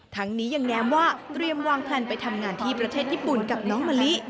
ทั้งนี้ยังแน้มว่าเตรียมวางแพลนไปทำงานที่ประเทศญี่ปุ่นกับน้องมะลิ